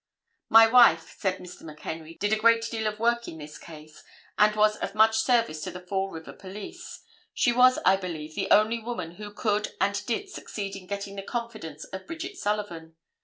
"My wife," said Mr. McHenry, "did a great deal of work in this case, and was of much service to the Fall River police. She was, I believe, the only woman who could and did succeed in getting the confidence of Bridget Sullivan.